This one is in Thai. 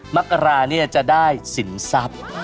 มะกระเนี่ยจะได้สินทรัพย์